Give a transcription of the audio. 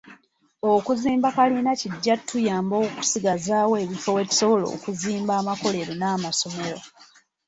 Okuzimba kalina kijja kutuyamba okusigazaawo ebifo we tusobola okuzimba amakolero n’amasomero.